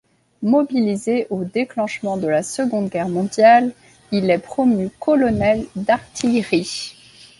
Mobilisé au déclenchement de la Seconde Guerre mondiale, il est promu colonel d'artillerie.